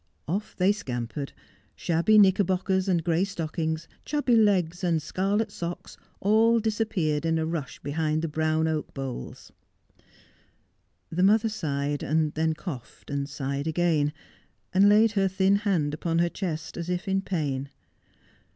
Off they scampered. Shabby knickerbockers and gray stockings, chubby legs and scarlet socks, all disappeared in a rush behind the brown oak boles. The mother sighed, and then coughed, and sighed again, and laid her thin hand upon her chest, as if in pain.